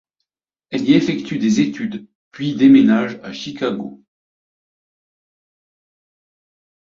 Elle y effectue des études, puis déménage à Chicago.